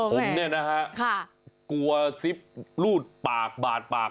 ผมเนี่ยนะฮะกลัวซิปรูดปากบาดปาก